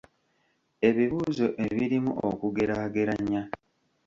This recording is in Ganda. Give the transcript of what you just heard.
Ebibuuzo ebirimu okugeraageranya.